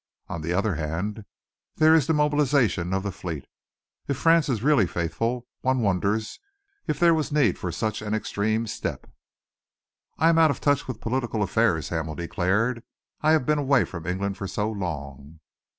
On the other hand, there is the mobilisation of the fleet. If France is really faithful, one wonders if there was need for such an extreme step." "I am out of touch with political affairs," Hamel declared. "I have been away from England for so long."